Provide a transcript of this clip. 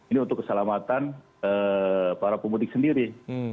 ini untuk keselamatan para pemudik sendiri